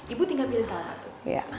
ibu tinggal milih salah satu